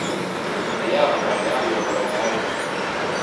А я абараняю, абараняю.